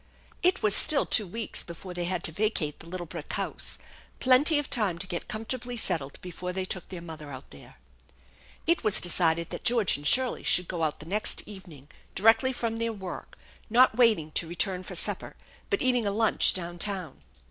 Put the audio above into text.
It was still two weeks before they had to vacate the little brick house, plenty of time to get comfortably settled before they took their mother out there. It was decided that George and Shirley should go out the next evening directly from their work, not waiting to return for supper, but eating a lunch down town.